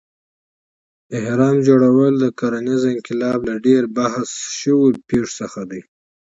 اهرام جوړول د کرنیز انقلاب له ډېر بحث شوو پېښو څخه دی.